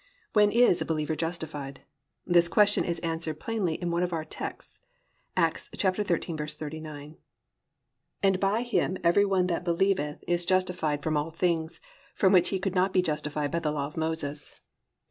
When is a believer justified? This question is answered plainly in one of our texts, Acts 13:39, +"And by him every one that believeth is justified from all things, from which he could not be justified by the law of Moses."